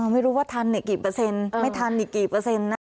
ไม่ทันกี่เปอร์เซ็นต์ไม่ทันอีกกี่เปอร์เซ็นต์นะ